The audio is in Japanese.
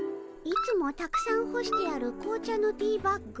いつもたくさんほしてある紅茶のティーバッグ